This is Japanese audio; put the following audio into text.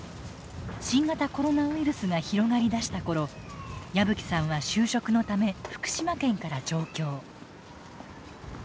新型コロナウイルスが広がりだした頃矢吹さんは就職のため福島県から上京。